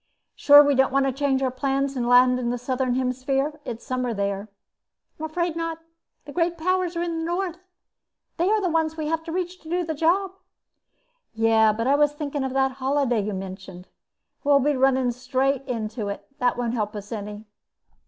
Sure we don't want to change our plans and land in the southern hemisphere? It's summer there." "I'm afraid not. The great powers are in the north. They are the ones we have to reach to do the job." "Yeah, but I was thinking of that holiday you mentioned. We'll be running straight into it. That won't help us any."